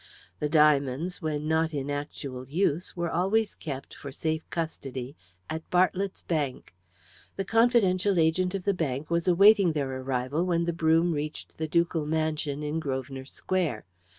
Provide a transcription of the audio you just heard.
The diamonds, when not in actual use, were always kept, for safe custody, at Bartlett's Bank. The confidential agent of the bank was awaiting their arrival when the brougham reached the ducal mansion in Grosvenor Square.